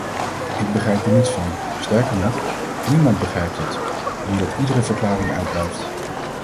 Ik begrijp er niets van, sterker nog, niemand begrijpt het, omdat iedere verklaring uitblijft.